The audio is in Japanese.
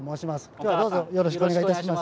今日はどうぞよろしくお願いいたします。